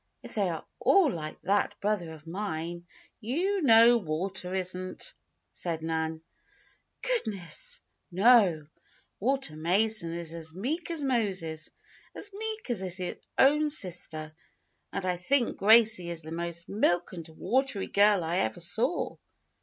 If they are all like that brother of mine " "You know Walter isn't," said Nan. "Goodness! No! Walter Mason is as meek as Moses! As meek as his own sister. And I think Gracie is the most milk and watery girl I ever saw."